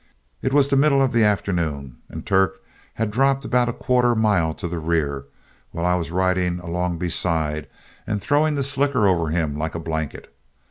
It was the middle of the afternoon, and Turk had dropped about a quarter mile to the rear, while I was riding along beside and throwing the slicker over him like a blanket.